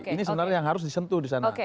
ini sebenarnya yang harus disentuh di sana